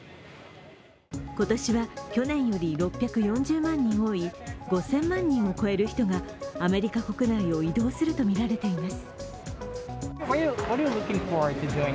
今年は去年より６４０万人多い５０００万人を超える人がアメリカ国内を移動するとみられています。